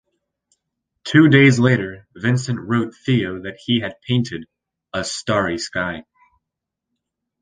Two days later, Vincent wrote Theo that he had painted "a starry sky".